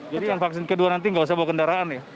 yang vaksin kedua nanti nggak usah bawa kendaraan ya